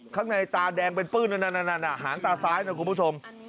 ข้างในตาแดงเป็นปื้นหางตาซ้ายนะคุณผู้ชม